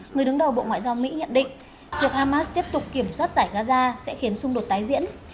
người đứng đầu bộ ngoại giao mỹ nhận định việc hamas tiếp tục kiểm soát giải gaza sẽ khiến xung đột tái diễn